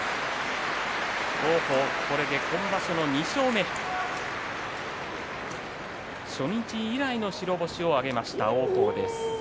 王鵬、これで今場所、２勝目初日以来の白星を挙げました。